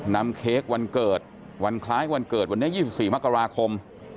เค้กวันเกิดวันคล้ายวันเกิดวันนี้๒๔มกราคม